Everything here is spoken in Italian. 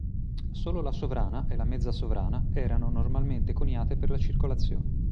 Solo la sovrana e la mezza sovrana erano normalmente coniate per la circolazione.